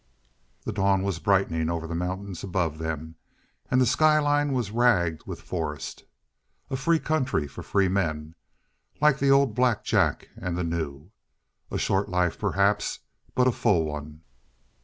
The dawn was brightening over the mountains above them, and the skyline was ragged with forest. A free country for free men like the old Black Jack and the new. A short life, perhaps, but a full one.